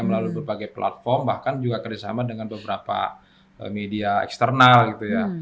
melalui berbagai platform bahkan juga kerjasama dengan beberapa media eksternal gitu ya